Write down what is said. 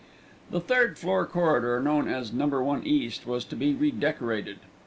The third floor corridor, known as No. 1 East, was to be redecorated.